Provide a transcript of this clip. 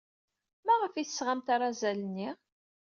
Maɣef ay d-tesɣamt arazal-nni?